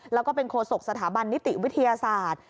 แล้วก็เป็นโคศกสถาบันนิติวิทยาศาสตร์